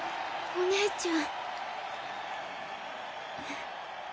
お姉ちゃん